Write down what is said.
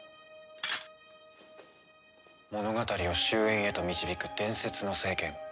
物語を終焉へと導く伝説の聖剣